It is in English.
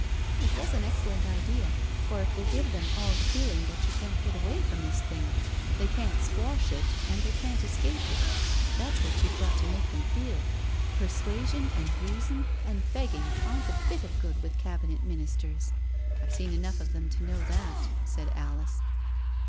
'*" It was an excellent idea, for it will give .them all the feeling that they can't get away from this thing, they can't squash it and they can't escape it — that's what you've got to make them feel — persuasion and reason and begging aren't a bit of good with Cabinet Ministers. I've seen enough of them to know that," said Alice.